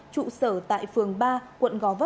trụ sở tại phường ba quận gòi